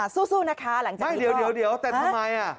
สู้นะคะหลังจากไม่เดี๋ยวแต่ทำไม